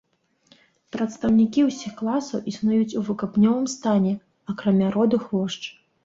Прадстаўнікі ўсіх класаў існуюць у выкапнёвым стане, акрамя роду хвошч.